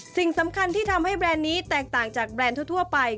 สิ่งสำคัญที่ทำให้แบรนด์นี้แตกต่างจากแบรนด์ทั่วไป